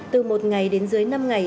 từ một ngày đến dưới năm ngày